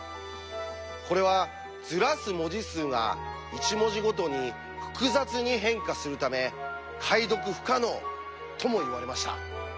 これはずらす文字数が１文字ごとに複雑に変化するため解読不可能ともいわれました。